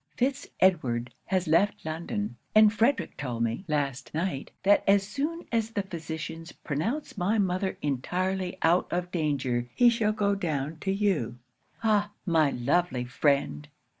Fitz Edward has left London; and Frederic told me, last night, that as soon as the physicians pronounce my mother entirely out of danger, he shall go down to you. Ah! my lovely friend!